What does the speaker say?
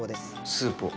スープを。